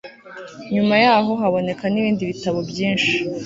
nyuma yaho haboneka n ibindi bitabo byinshi